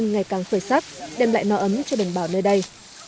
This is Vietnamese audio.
nhưng ngày càng khởi sắp đem lại no ấm cho đồng bào nơi đây